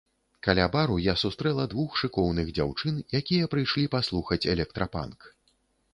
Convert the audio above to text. Каля бару я сустрэла двух шыкоўных дзяўчын, якія прыйшлі паслухаць электрапанк.